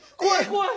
怖い！